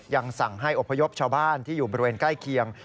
ยังสั่งให้อบพยพชาวบ้านที่อยู่บริเวณใกล้เคียง